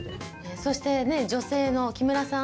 そして女性の木村さん。